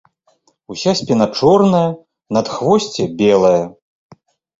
Уся спіна чорная, надхвосце белае.